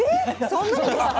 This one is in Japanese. そんなにですか？